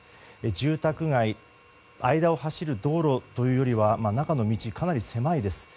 住宅街間を走る道路というよりは中の道、かなり狭いです。